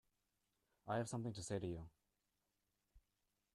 I have something to say to you.